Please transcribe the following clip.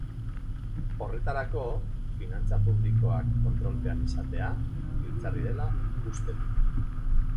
Horretarako finantza publikoak kontrolpean izatea giltzarri dela uste du.